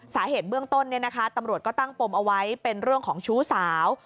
สาเหตุเบื้องต้นตำรวจก็ตั้งปมเอาไว้เป็นเรื่องของชู้สาว